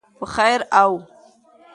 په خیر او